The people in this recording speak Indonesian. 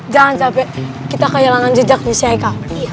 jangan capek kita kejalangan jejak nih syaika